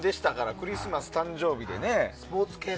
クリスマス、誕生日でね。